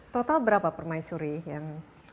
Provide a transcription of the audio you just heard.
total berapa permaisuri yang